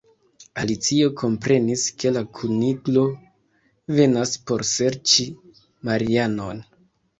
Alicio komprenis ke la Kuniklo venas por serĉi Marianon.